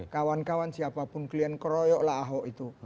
kawan kawan siapapun kalian keroyoklah ahok itu